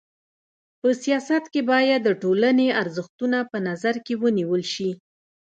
په سیاست کي بايد د ټولني ارزښتونه په نظر کي ونیول سي.